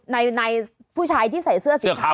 ในผู้ชายที่ใส่เสื้อสีขาว